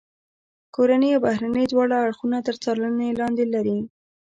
کورني او بهرني دواړه اړخونه تر څارنې لاندې لري.